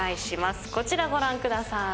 こちらご覧ください。